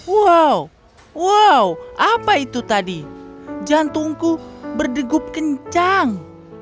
wow wow apa itu tadi jantungku berdegup kencang